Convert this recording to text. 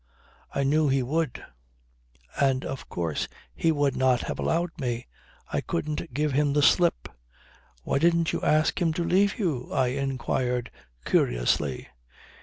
I knew he would; and, of course, he would not have allowed me. I couldn't give him the slip." "Why didn't you ask him to leave you?" I inquired curiously.